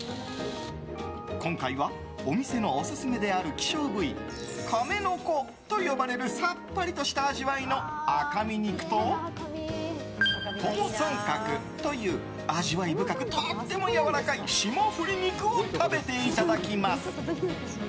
今回は、お店のオススメである希少部位カメノコと呼ばれるさっぱりとした味わいの赤身肉とトモサンカクという味わい深くとてもやわらかい霜降り肉を食べていただきます。